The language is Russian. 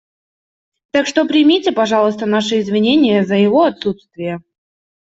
Так что примите, пожалуйста, наши извинения за его отсутствие.